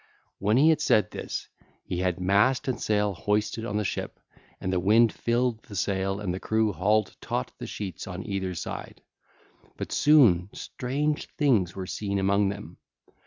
(ll. 32 54) When he had said this, he had mast and sail hoisted on the ship, and the wind filled the sail and the crew hauled taut the sheets on either side. But soon strange things were seen among them.